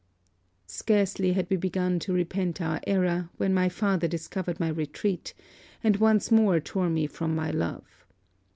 'Scarcely had we begun to repent our error, when my father discovered my retreat; and once more tore me from my love.